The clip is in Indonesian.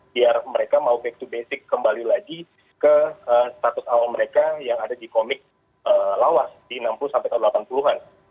biar mereka mau back to basic kembali lagi ke status awal mereka yang ada di komik lawas di enam puluh sampai tahun delapan puluh an